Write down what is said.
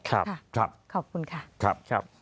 ขอบคุณค่ะ